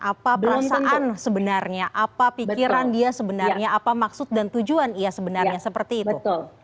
apa perasaan sebenarnya apa pikiran dia sebenarnya apa maksud dan tujuan ia sebenarnya seperti itu